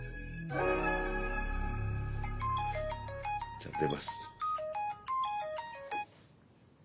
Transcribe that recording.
じゃ出ます。